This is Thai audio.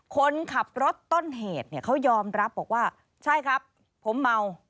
คนขับรถต้นเหตุเนี่ยเขายอมรับบอกว่าใช่ครับผมเมา